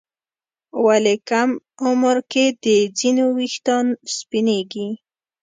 ولې کم عمر کې د ځینو ويښتان سپینېږي؟